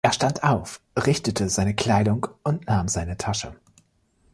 Er stand auf, richtete seine Kleidung und nahm seine Tasche.